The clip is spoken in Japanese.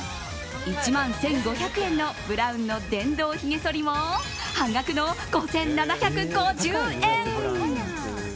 １万１５００円のブラウンの電動ひげそりも半額の５７５０円。